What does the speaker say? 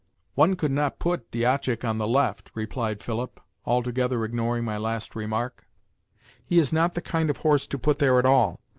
"One could not put Diashak on the left," replied Philip, altogether ignoring my last remark. "He is not the kind of horse to put there at all.